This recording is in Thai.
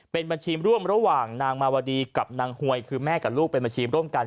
เป็นบัญชีร่วมระหว่างนางมาวดีกับนางหวยคือแม่กับลูกเป็นบัญชีร่วมกัน